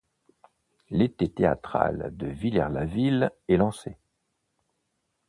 L’été théâtral de Villers-la-Ville est lancé.